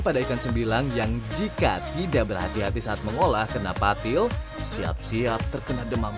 pada ikan cembilang yang jika tidak berhati hati saat mengolah kena patil siap siap terkena demam